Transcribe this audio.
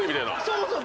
そうそう。